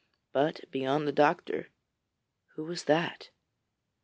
But beyond the doctor who was that?